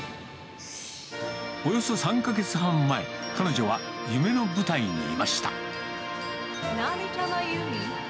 およそ３か月半前、彼女は夢の舞台にいました。